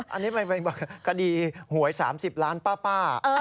อันนี้มันคือคดีหวย๓๐ล้านป้า